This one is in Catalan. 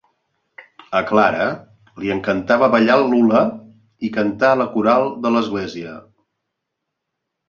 A Clara li encantava ballar el hula i cantar a la coral de l'església.